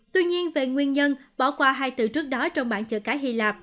tuy nhiên về nguyên nhân bỏ qua hai từ trước đó trong bản chữ cái hy lạp